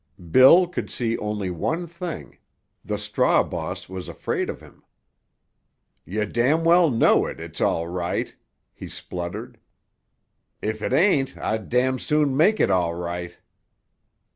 Bill could see only one thing—the straw boss was afraid of him. "Yah —— know it, it's all right!" he spluttered. "If it ain't I'd —— soon make it all right."